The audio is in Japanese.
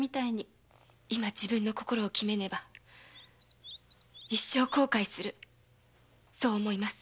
今自分の心を決めねば一生後悔するそう思います。